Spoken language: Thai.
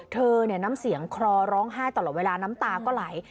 น้ำเสียงคลอร้องไห้ตลอดเวลาน้ำตาก็ไหล